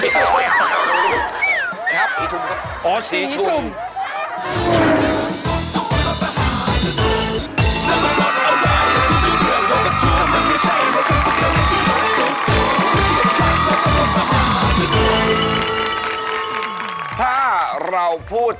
ใช่ครับศรีชุมครับ